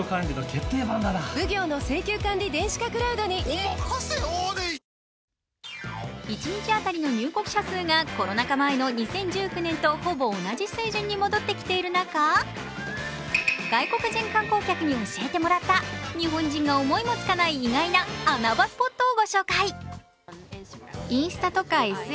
「さわやかパッド」一日当たりの入国者数がコロナ禍前の２０１９年とほぼ同じ水準に戻ってきている中、外国人観光客に教えてもらった日本人が思いもつかない意外な穴場スポットをご紹介。